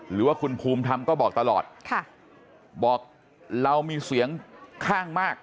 หรือว่าคุณภูมิธรรมก็บอกตลอดค่ะบอกเรามีเสียงข้างมาก